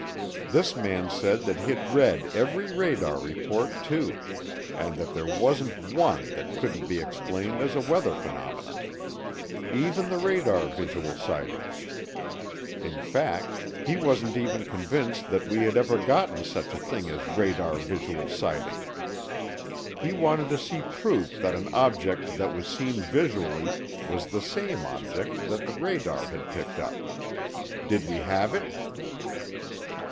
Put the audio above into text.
This man said that he'd read every radar report, too, and that there wasn't one that couldn't be explained as a weather phenomenon even the radar visual sightings. In fact, he wasn't even convinced that we had ever gotten such a thing as radar visual sighting. He wanted to see proof that an object that was seen visually was the same object that the radar had picked up. Did we have it?